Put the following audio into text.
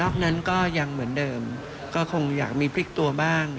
นั้นก็ยังเหมือนเดิมก็คงอยากมีพลิกตัวบ้าง